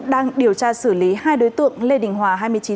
đang điều tra xử lý hai đối tượng lê đình hòa hai mươi chín tuổi